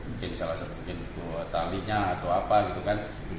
mungkin salah satu mungkin talinya atau apa gitu kan